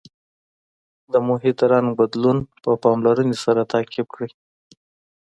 د محیط رنګ بدلون په پاملرنې سره تعقیب کړئ.